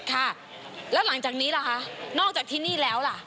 ค่ะแล้วหลังจากนี้ล่ะคะนอกจากที่นี่แล้วล่ะ